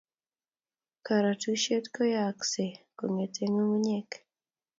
Korutishet koyayakse kongete ngungunyek.